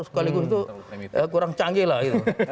sekaligus itu kurang canggih lah gitu